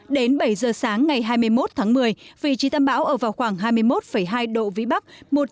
đến bảy giờ sáng ngày hai mươi một tháng một mươi vị trí tâm bão ở vào khoảng hai mươi một hai độ vĩ bắc